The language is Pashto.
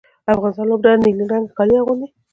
افغان لوبډله نیلي رنګه کالي اغوندي.